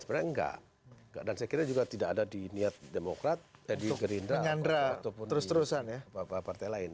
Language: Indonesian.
sebenarnya enggak dan saya kira juga tidak ada di niat gerindra atau di partai lain